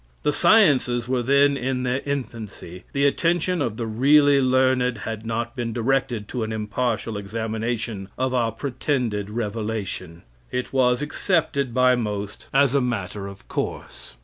The sciences were then in their infancy. The attention of the really learned had not been directed to an impartial examination of our pretended revelation. It was accepted by most as a matter of course.